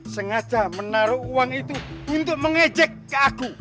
sengaja menaruh uang itu untuk mengejek ke aku